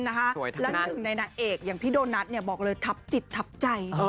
และหนึ่งในนางเอกอย่างพี่โดนัทบอกเลยทับจิตทับใจ